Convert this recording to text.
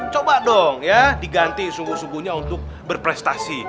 coba dong ya diganti sungguh sungguhnya untuk berprestasi